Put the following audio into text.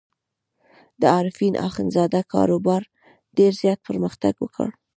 د عارفین اخندزاده کاروبار ډېر زیات پرمختګ وکړ.